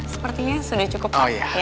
sepertinya sudah cukup